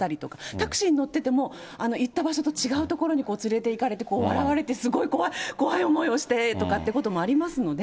タクシーに乗ってても言った場所と違う所に連れていかれて、すごい怖い思いをしてとかっていうこともありますので。